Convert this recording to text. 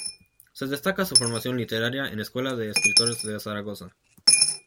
Se destaca su formación literaria en Escuela de Escritores de Zaragoza.